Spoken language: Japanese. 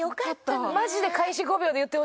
マジで。